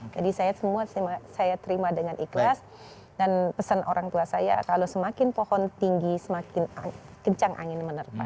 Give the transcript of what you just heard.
jadi saya semua saya terima dengan ikhlas dan pesan orang tua saya kalau semakin pohon tinggi semakin kencang angin menerpa